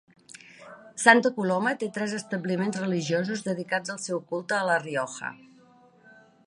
Santa Coloma té tres establiments religiosos dedicats al seu culte a La Rioja.